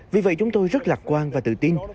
vì vậy chúng tôi rất lạc quan và tự tin